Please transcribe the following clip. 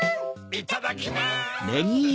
いただきます！